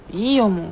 もう。